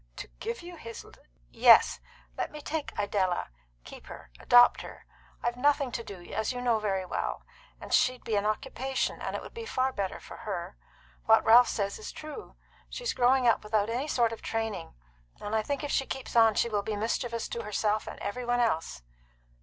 "To give you his " "Yes. Let me take Idella keep her adopt her! I've nothing to do, as you know very well, and she'd be an occupation; and it would be far better for her. What Ralph says is true. She's growing up without any sort of training; and I think if she keeps on she will be mischievous to herself and every one else."